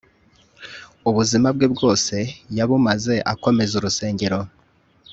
ubuzima bwe bwose yabumaze akomeza urusengero